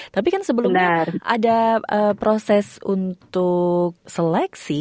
tapi kan sebelumnya ada proses untuk seleksi